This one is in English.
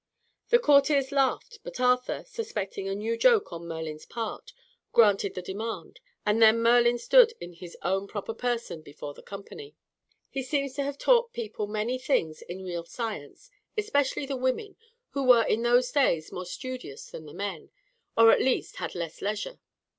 The courtiers laughed, but Arthur, suspecting a new joke on Merlin's part, granted the demand, and then Merlin stood in his own proper person before the company. He also seems to have taught people many things in real science, especially the women, who were in those days more studious than the men, or at least had less leisure.